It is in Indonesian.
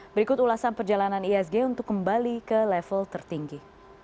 berikut ulasan perjalanan ihsg untuk kembali ke level tertinggi